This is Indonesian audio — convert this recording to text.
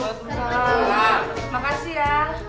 terima kasih ya